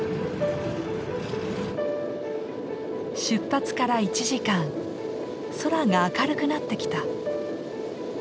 出発から１時間空が明るくなってきた。